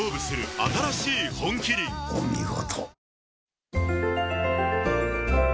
お見事。